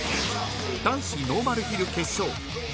男子ノーマルヒル決勝。